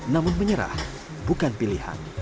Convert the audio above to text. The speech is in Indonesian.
namun menyerah bukan pilihan